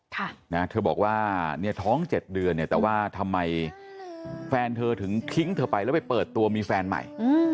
เธอบอกว่าเนี่ยท้องเจ็ดเดือนเนี่ยแต่ว่าทำไมแฟนเธอถึงทิ้งเธอไปแล้วไปเปิดตัวมีแฟนใหม่